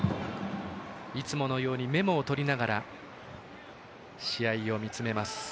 いつものようにメモを取りながら試合を見つめます。